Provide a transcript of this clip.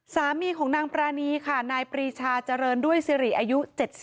สามีของนางปรานีค่ะนายปรีชาเจริญด้วยสิริอายุ๗๐